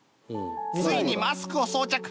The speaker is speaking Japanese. ついにマスクを装着